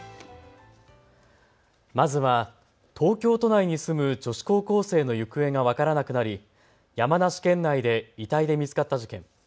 まずは東京都内に住む女子高校生の行方が分からなくなり山梨県内で遺体で見つかった事件。